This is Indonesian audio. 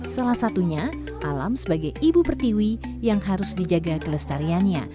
salah satunya alam sebagai ibu pertiwi yang harus dijaga kelestariannya